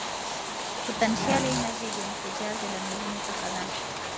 پوتنشیاله انرژي د انفجار د لاملونو څخه ده.